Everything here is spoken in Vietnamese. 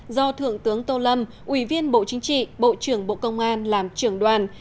do thượng tướng tô lâm ủy viên bộ chính trị bộ trưởng bộ công an làm trưởng đoàn